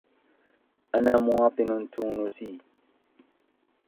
أنا مواطن تونسي.